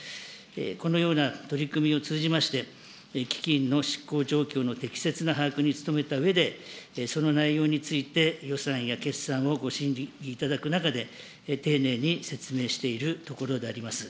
このような取り組みを通じまして、基金の執行状況の適切な把握に努めたうえで、その内容について予算や決算をご審議いただく中で、丁寧に説明しているところであります。